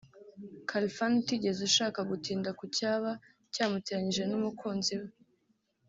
Khalfan utigeze ushaka gutinda ku cyaba cyamuteranyije n’umukunzi we